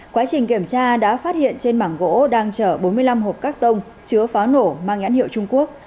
quá trình kiểm tra đã phát hiện trên mảng gỗ đang chở bốn mươi năm hộp các tông chứa pháo nổ mang nhãn hiệu trung quốc